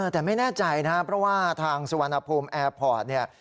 แต่ไม่แน่ใจนะครับเพราะว่าทางสุวรรณภูมิแอร์พอร์ตเนี่ย